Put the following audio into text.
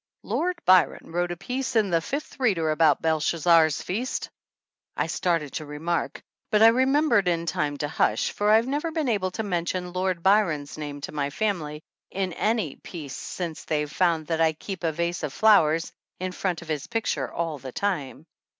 "Lord Byron wrote a piece in the Fifth Reader about Belshazzar's feast," I started to remark, but I remembered in time to hush, for I've never been able to mention Lord Byron's name to my family in any peace since they found that I keep a vase of flowers in front of his pic ture all the time.